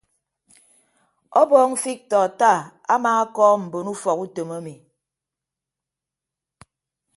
Ọbọọñ fiktọ attah amaakọọm mbon ufọk utom emi.